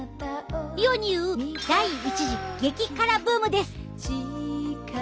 世に言う第１次激辛ブームです。